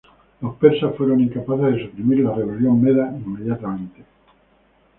Los persas fueron incapaces de suprimir la rebelión meda inmediatamente.